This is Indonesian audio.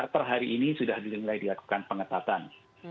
per hari ini sudah mulai dilakukan pengetatan